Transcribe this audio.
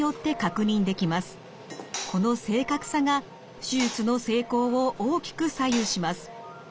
この正確さが手術の成功を大きく左右します。